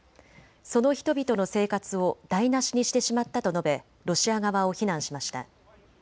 その人々の生活を台なしにしてしまったと述べロシア側を非難しました。